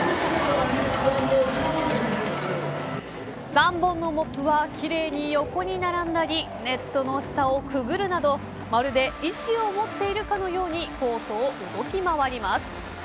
３本のモップは奇麗に横に並んだりネットの下をくぐるなどまるで、意志を持っているかのようにコートを動き回ります。